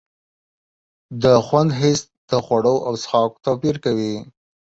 د خوند حس د خوړو او څښاک توپیر کوي.